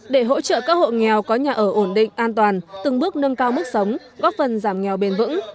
để hỗ trợ các hộ nghèo có nhà ở ổn định an toàn từng bước nâng cao mức sống góp phần giảm nghèo bền vững